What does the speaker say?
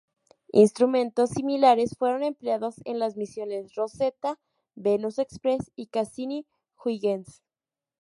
Instrumentos similares fueron empleados en las misiones Rosetta, Venus Express y Cassini-Huygens.